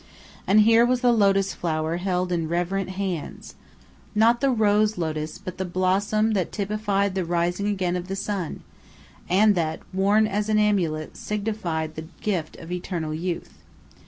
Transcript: And here was the lotus flower held in reverent hands, not the rose lotus, but the blossom that typified the rising again of the sun, and that, worn as an amulet, signified the gift of eternal youth.